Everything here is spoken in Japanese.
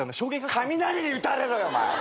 雷に打たれろよお前！